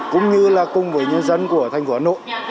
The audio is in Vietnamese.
cũng như là cùng với nhân dân của thành phố hà nội